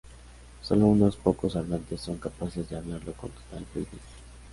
Sólo unos pocos hablantes son capaces de hablarlo con total fluidez.